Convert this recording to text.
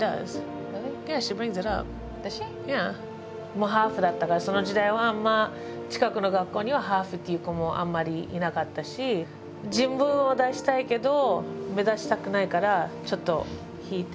もうハーフだったからその時代はあんま近くの学校にはハーフっていう子もあんまりいなかったし自分を出したいけど目立ちたくないからちょっと引いて。